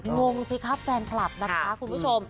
งงสิครับแฟนคลับนะคะคุณผู้ชม